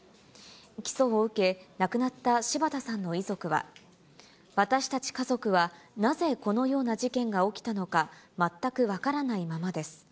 起訴を受け、亡くなった柴田さんの遺族は、私たち家族は、なぜこのような事件が起きたのか全く分からないままです。